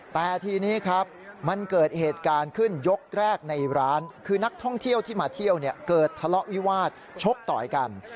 แต่ทีนี้ครับมันเกิดเหตุการณ์ขึ้นยกแรกในร้านคือนักท่องเที่ยวที่มาเที่ยวเนี่ยเกิดทะเลาะวิวาสชกต่อยกัน